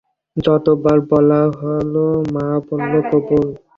যত বার বলা হল, মা, বল কবুল।